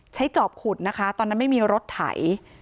จอบขุดนะคะตอนนั้นไม่มีรถไถ